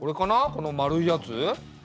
この丸いやつ。